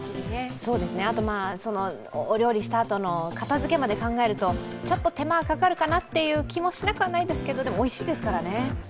あとお料理したあとの片づけまで考えると、ちょっと手間がかかるかなっていう気もしなくはないですけど、でもおいしいですからね。